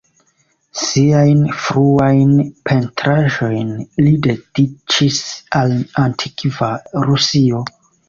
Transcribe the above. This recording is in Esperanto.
Siajn fruajn pentraĵojn li dediĉis al antikva Rusio.